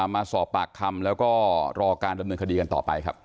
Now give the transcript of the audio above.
มาสอบปากคำแล้วก็รอการดำเนินคดีกันต่อไปครับ